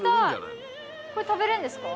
これ食べれるんですか？